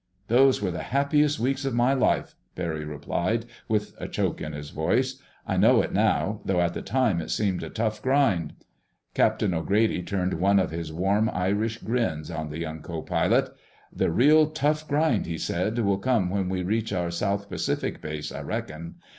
"Those were the happiest weeks of my life," Barry replied with a choke in his voice. "I know it now, though at the time it seemed a tough grind." Captain O'Grady turned one of his warm Irish grins on the young co pilot. "The real, tough grind," he said, "will come when we reach our South Pacific base, I reckon.